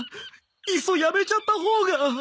いっそやめちゃったほうが。